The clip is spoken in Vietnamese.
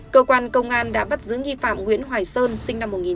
cơ quan công an đã bắt giữ nghi phạm nguyễn hoài sơn sinh năm một nghìn chín trăm tám mươi